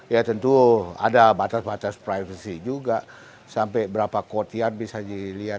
ya tentu ada batas batas privasi juga sampai berapa kotiar bisa dilihat